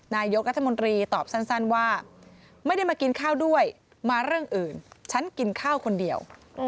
นายกรัฐมนตรีตอบสั้นว่าไม่ได้มากินข้าวด้วยมาเรื่องอื่นฉันกินข้าวคนเดียว